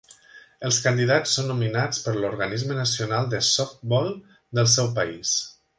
Els candidats són nominats pel l'organisme nacional de softbol del seu país.